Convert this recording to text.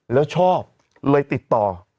แล้วชอบเลยติดต่อ